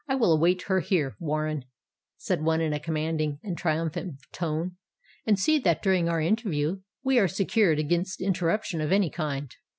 "I will await her here, Warren," said one, in a commanding and triumphant tone: "and see that during our interview, we are secured against interruption of any kind."